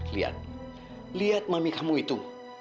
lihat lihat mami kamu itu